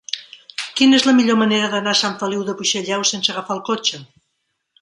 Quina és la millor manera d'anar a Sant Feliu de Buixalleu sense agafar el cotxe?